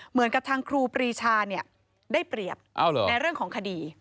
เหมือนกับทางครูปรีชาได้เปรียบในเรื่องของคดี